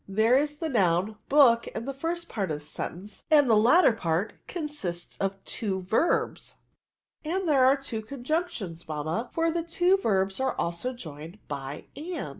* There is the noim book in the first part of the sentence, and the latter part con* sists of two verbs." " And there are two conjunctions, mamma^ for the two verbs are also joined by and.'